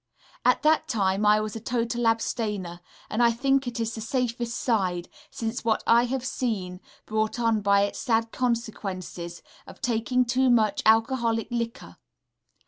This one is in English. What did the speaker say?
At that time I was a total abstainer; and I think it is the safest side, since what I have seen brought on by its sad consequences of taking too much alcoholic liquor....